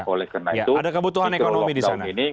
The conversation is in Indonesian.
oleh karena itu kita lockdown ini